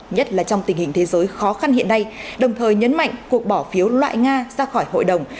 nhất là trong tình hình thế giới khó khăn hiện nay đồng thời nhấn mạnh cuộc bỏ phiếu loại nga ra khỏi hội đồng